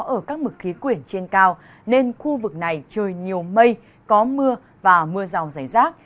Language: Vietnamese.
ở các mực khí quyển trên cao nên khu vực này trời nhiều mây có mưa và mưa rào rải rác